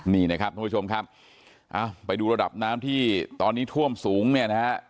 นี่นะครับทุกผู้ชมครับไปดูระดับน้ำที่ตอนนี้ท่วมสูงเนี่ยนะฮะ